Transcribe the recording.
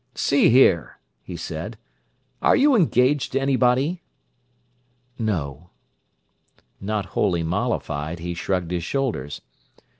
"See here!" he said. "Are you engaged to anybody?" "No." Not wholly mollified, he shrugged his shoulders.